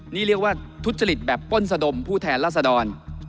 นี่เรียกว่าทุจริตแบบป้นสะดมผู้แทนราษดร